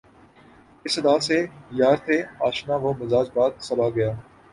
جس ادا سے یار تھے آشنا وہ مزاج باد صبا گیا